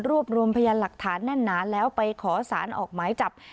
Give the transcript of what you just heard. รวมรวมพยานหลักฐานแน่นหนาแล้วไปขอสารออกหมายจับ